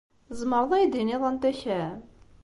Tzemreḍ ad iyi-d-tiniḍ anta kemm?